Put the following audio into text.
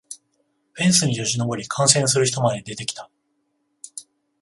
フェンスによじ登り観戦する人まで出てきた